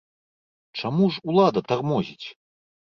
Чаму ж улада тармозіць?